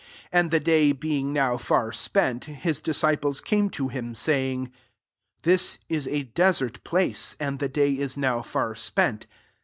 35 And the day being now far spent, his disciples came to him, saying, "This is a desert place, and the day is now far spent.